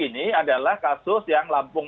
ini adalah kasus yang lampung